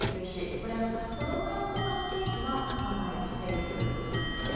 これ、子ども用のパンケーキは販売をしているということなんですね。